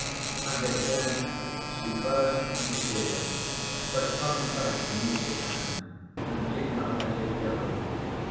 And again she burst into tears, but clung tight to Mitya's hand and did not let it go.